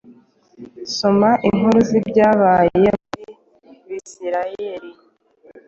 soma inkuru z’ibyabaye muri Bisirayeli